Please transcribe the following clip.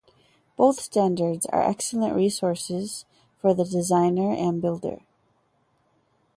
Both standards are excellent resources for the designer and builder.